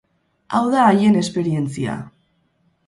Hau da haien esperientzia.